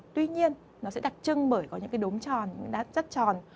tuy nhiên nó sẽ đặc trưng bởi có những cái đốm tròn những cái đá chất tròn